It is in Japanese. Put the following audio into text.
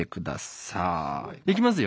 いきますよ。